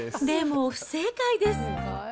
でも不正解です。